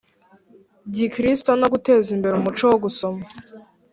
gikristo no guteza imbere umuco wo gusoma